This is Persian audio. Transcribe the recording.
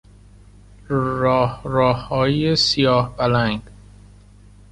راه راههای سیاه پلنگ